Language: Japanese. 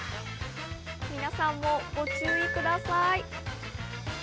皆さんもご注意ください。